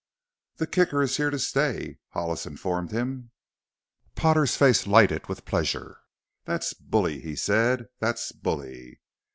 "The Kicker is here to stay!" Hollis informed him. Potter's face lighted with pleasure. "That's bully!" he said. "That's bully!"